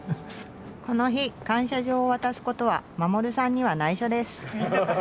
この日感謝状を渡すことは守さんには内緒です。